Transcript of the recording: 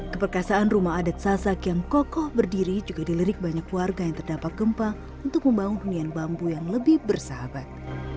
keperkasaan rumah adat sasak yang kokoh berdiri juga dilirik banyak warga yang terdapat gempa untuk membangun hunian bambu yang lebih bersahabat